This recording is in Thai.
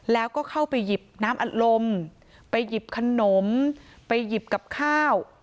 แล้วก็เข้าไปหยิบน้ำอัดลมไปหยิบขนมไปหยิบกับข้าว